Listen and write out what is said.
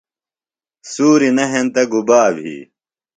سُوری نہ ہنتہ گُبا بھی؟